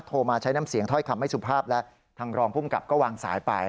โทรมาใช้น้ำเสียงถ้อยคำไม่สุภาพและทางรองภูมิกับก็วางสายไป